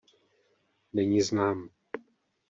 Není znám.